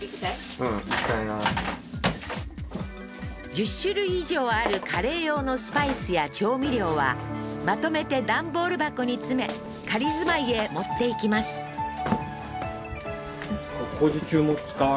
１０種類以上あるカレー用のスパイスや調味料はまとめて段ボール箱に詰め仮住まいへ持っていきますあっ